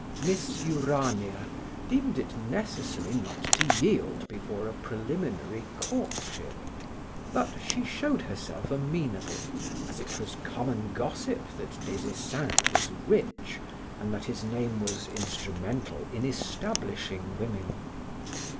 Miss Urania deemed it necessary not to yield before a preliminary courtship; but she showed herself amenable, as it was common gossip that Des Esseintes was rich and that his name was instrumental in establishing women.